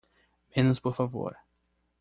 Menos por favor!